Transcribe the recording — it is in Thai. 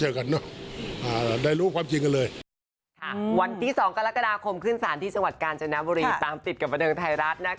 วันที่สองกรกฎาเจอกันเนอะได้รู้ความจริงอ่ะเลย